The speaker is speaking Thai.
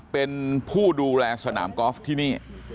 เป็นผู้ดูแลสนามกอล์ฟที่นี่